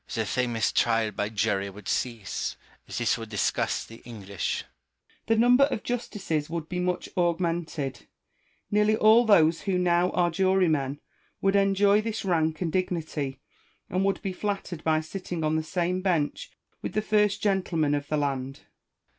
Rousseau. The famous trial hy jury would cease : this would disgust the English. Malesherhes. The number of justices would bo much augmented : nearly all those who now are jurymen would enjoy this rank and dignity, and would be flattered by sitting on tlie same bench with the first gentlemen of the land.